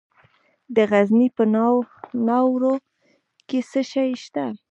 د غزني په ناوور کې څه شی شته؟